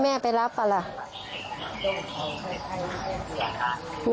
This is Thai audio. แม่ถอนหรือยัง